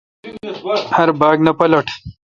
ہر باگ نہ پالٹل۔